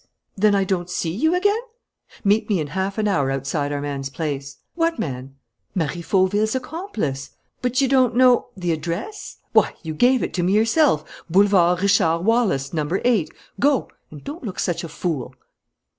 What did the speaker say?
"Then I don't see you again?" "Meet me in half an hour outside our man's place." "What man?" "Marie Fauville's accomplice." "But you don't know " "The address? Why, you gave it to me yourself: Boulevard Richard Wallace, No. 8. Go! And don't look such a fool."